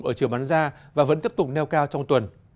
ở trường bán da và vẫn tiếp tục niêm yết